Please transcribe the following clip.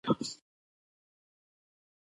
له هغه خلکو سره وخت مه تېروئ.